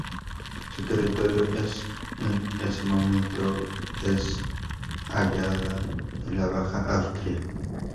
Su territorio en ese momento se hallaba en la Baja Austria.